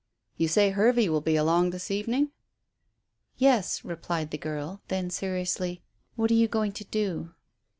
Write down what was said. You say Hervey will be along this evening?" "Yes," replied the girl Then seriously, "What are you going to do?"